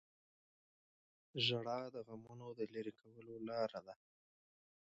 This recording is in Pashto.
• ژړا د غمونو د لرې کولو لاره ده.